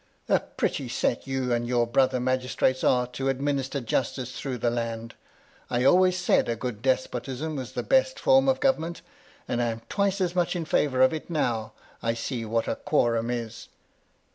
A pretty set you and your brother magistrates are to administer justice through the land! I always said a good despotism was the best form of government ; and I am twice as much in favour of it now I see what a quorum is